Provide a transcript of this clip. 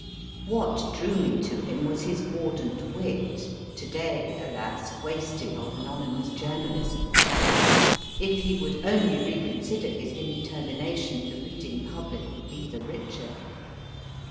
What drew me to him was his mordant wit (to day, alas ! wasted on anonymous journalism ! If he would only reconsider his indetermination, the reading public would be the richer